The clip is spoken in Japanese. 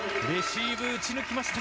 レシーブ、打ち抜きました！